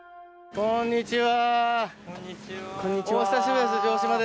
こんにちは。